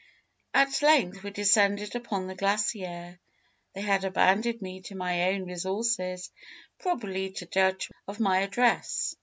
"At length we descended upon the glacier. They had abandoned me to my own resources, probably to judge of my address.